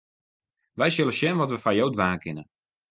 Wy sille sjen wat we foar jo dwaan kinne.